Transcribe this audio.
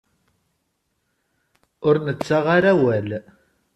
Ur nettaɣ ara awal.